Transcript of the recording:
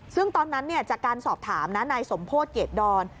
ซึ่งตอนนั้นจากการสอบถามนะนายสมโพธิเกรดดอน